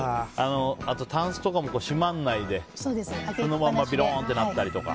あとタンスとかも閉まらないでそのままビローンってなったりとか。